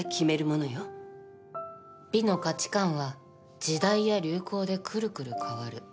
美の価値観は時代や流行でくるくる変わる。